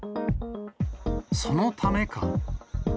そのためか。